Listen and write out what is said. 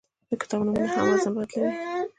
د کتاب نومونه هم وزن بدلوي.